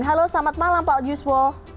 halo selamat malam pak juswo